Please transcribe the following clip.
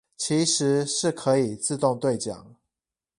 其實是可以自動對獎